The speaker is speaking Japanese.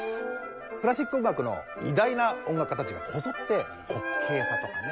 クラシック音楽の偉大な音楽家たちがこぞって滑稽さとかね